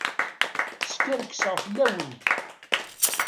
Skerkseɣ fell-awent.